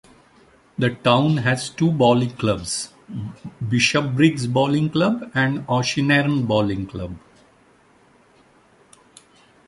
The town has two bowling clubs; Bishopbriggs Bowling Club and Auchinairn Bowling Club.